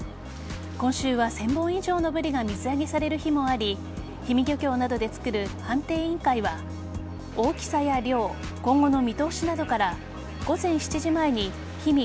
今週は１０００本以上のブリが水揚げされる日もあり氷見漁協などでつくる判定委員会は大きさや量今後の見通しなどから午前７時前にひみ